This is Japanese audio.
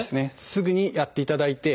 すぐにやっていただいて。